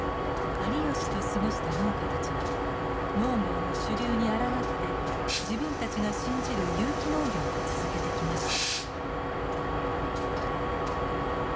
有吉と過ごした農家たちは農業の主流にあらがって自分たちが信じる有機農業を続けてきました。